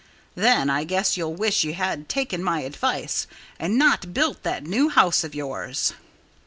Then I guess you'll wish you had taken my advice and not built that new house of yours.